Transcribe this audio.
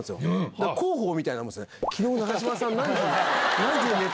だから広報みたいなもんですね。